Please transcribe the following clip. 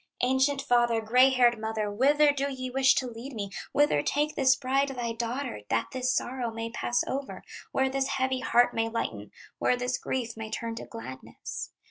"Ancient father, gray haired mother, Whither do ye wish to lead me, Whither take this bride, thy daughter, That this sorrow may pass over, Where this heavy heart may lighten, Where this grief may turn to gladness?